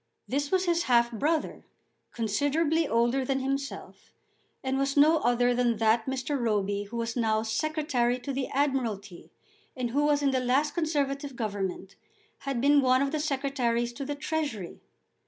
This was his half brother, considerably older than himself, and was no other than that Mr. Roby who was now Secretary to the Admiralty, and who in the last Conservative Government had been one of the Secretaries to the Treasury.